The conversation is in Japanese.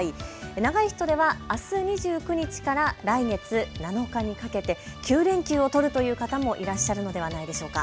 長い人ではあす２９日から来月７日にかけて９連休を取るという方もいらっしゃるのではないでしょうか。